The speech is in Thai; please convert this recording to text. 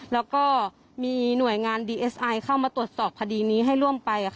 แล้วก็มีหน่วยงานดีเอสไอเข้ามาตรวจสอบคดีนี้ให้ร่วมไป